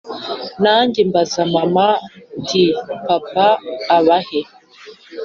Nanjye mbaza mama nti”papa abahe”